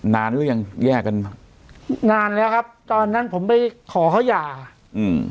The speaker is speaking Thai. หรือยังแยกกันนานแล้วครับตอนนั้นผมไปขอเขาหย่าอืม